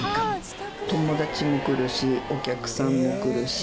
友達も来るしお客さんも来るし。